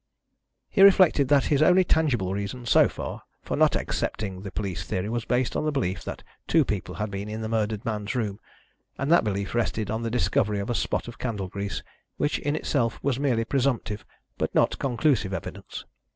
He reflected that his only tangible reason, so far, for not accepting the police theory was based on the belief that two people had been in the murdered man's room, and that belief rested on the discovery of a spot of candle grease which in itself was merely presumptive, but not conclusive evidence.